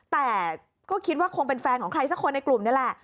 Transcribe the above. แต่ก็คิดว่าคงเป็นแฟนของใครสักคนในกลุ่มนี่แหละ